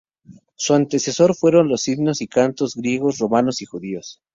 Su antecesor fueron los himnos y cantos griegos, romanos y judíos.